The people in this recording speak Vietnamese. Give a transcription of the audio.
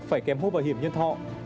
phải kèm mua bảo hiểm nhân thọ